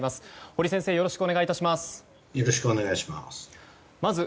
堀先生、よろしくお願いします。